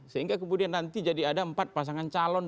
sehingga kemudian nanti jadi ada empat pasangan calon